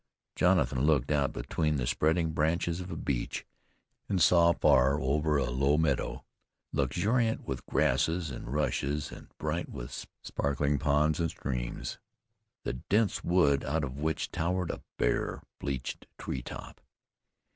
Jonathan looked out between the spreading branches of a beech, and saw, far over a low meadow, luxuriant with grasses and rushes and bright with sparkling ponds and streams, a dense wood out of which towered a bare, bleached tree top.